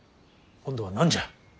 今度は何じゃ。